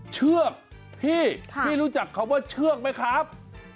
เชือกพี่พี่รู้จักคำว่าเชือกไหมครับ